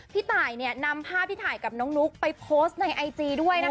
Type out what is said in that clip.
พี่ตายนำภาพที่ถ่ายกับน้องนุ๊กไปโพสต์ในไอจีด้วยนะคะ